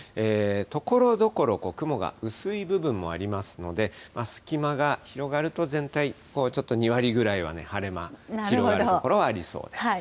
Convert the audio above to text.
ところどころ雲が薄い部分もありますので、隙間が広がると全体、ちょっと２割ぐらいは、晴れ間広がる所はありそうです。